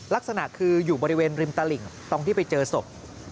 ลักษณะคืออยู่บริเวณริมตลิ่งตรงที่ไปเจอศพ